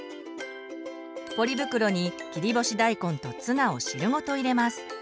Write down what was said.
ポリ袋に切り干し大根とツナを汁ごと入れます。